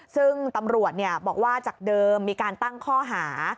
ซึ่งตำรวจบอกว่าจากเดิมมีการตั้งข้อหา